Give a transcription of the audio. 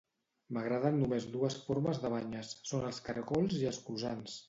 M'agraden només dues formes de banyes són els cargols i els croissants